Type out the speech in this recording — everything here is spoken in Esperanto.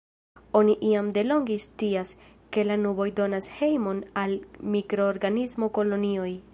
Oni jam delonge scias, ke la nuboj donas hejmon al mikroorganismo-kolonioj.